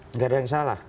enggak ada yang salah